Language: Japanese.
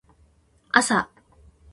あさ